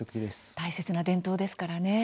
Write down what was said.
大切な伝統ですからね。